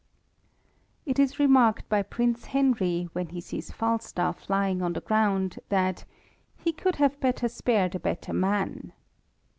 It is remarlced by Prince Henry, when he sees Falstal lying on the ground, that he could have better spared a bettet man.